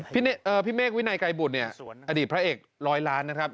พี่เมฆวินัยไกรบุตรเนี่ยอดีตพระเอกร้อยล้านนะครับ